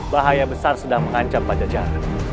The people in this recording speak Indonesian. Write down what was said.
bahaya besar sedang mengancam pada jalan